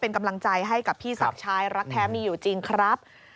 เป็นกำลังใจให้กับพี่ศักดิ์ชายรักแท้มีอยู่จริงครับ